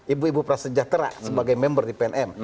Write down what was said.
ibu ibu prasejahtera sebagai member di pnm